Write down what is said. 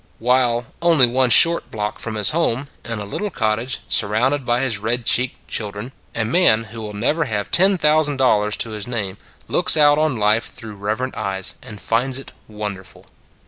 While, only one short block from his home, in a little cottage, surrounded by his red cheeked children, a man who will never have ten thousand dollars to his name looks out on life through reverent eyes, and finds it wonderful.